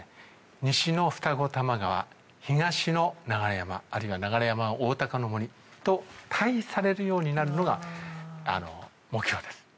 西の二子玉川東の流山あるいは流山おおたかの森と対比されるようになるのが目標です。